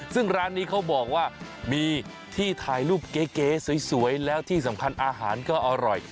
ซึ่งร้านนี้เขาบอกว่ามีที่ถ่ายรูปเก๋สวยแล้วที่สำคัญอาหารก็อร่อย